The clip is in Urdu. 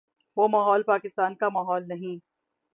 وہ ماحول پاکستان کا ماحول نہیں ہے۔